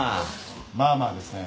まあまあですね。